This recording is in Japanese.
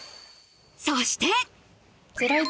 そして。